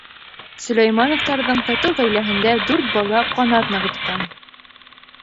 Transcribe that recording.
Сөләймәновтарҙың татыу ғаиләһендә дүрт бала ҡанат нығытҡан.